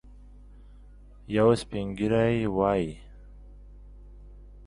یو سپین ږیری وايي.